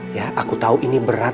ya aku tahu ini berat